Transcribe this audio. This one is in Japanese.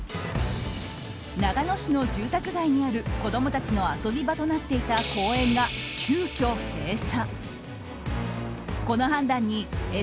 長野市の住宅街にある子供たちの遊び場となっていた公園が急きょ閉鎖。